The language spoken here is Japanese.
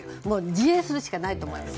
自衛するしかないと思います。